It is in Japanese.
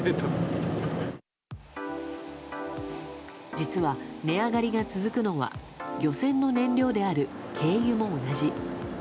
実は、値上がりが続くのは漁船の燃料である軽油も同じ。